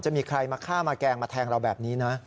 จะมีใครมาฆ่ามาแกล้งมาแทงเราแบบนี้นะ